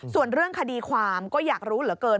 ส่วนเรื่องคดีความก็อยากรู้เหลือเกิน